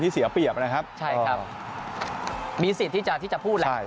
เสียเปรียบนะครับใช่ครับมีสิทธิ์ที่จะที่จะพูดแหละ